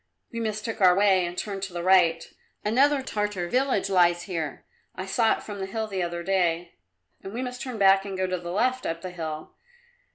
"We mistook our way, and turned to the right. Another Tartar village lies here; I saw it from the hill the other day. We must turn back and go to the left up the hill.